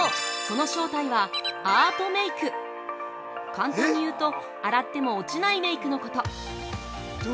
簡単に言うと、洗っても落ちないメイクのこと。